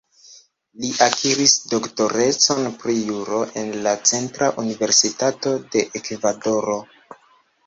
Li akiris doktorecon pri Juro el la Centra Universitato de Ekvadoro.